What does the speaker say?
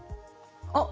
あっ！